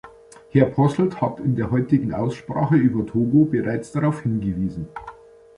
Herr Posselt hat in der heutigen Aussprache über Togo bereits darauf hingewiesen.